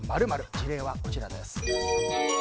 事例はこちらです。